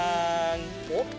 おっと。